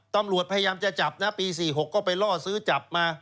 ตำรวจพยายามจะจับนะปี๔๖ก็ไปล่อซื้อจับมา